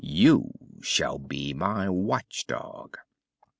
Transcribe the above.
You shall be my watch dog."